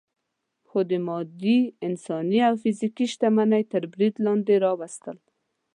خو د مادي، انساني او فزیکي شتمنۍ تر برید لاندې راوستل.